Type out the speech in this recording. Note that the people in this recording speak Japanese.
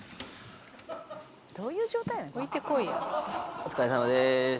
お疲れさまです。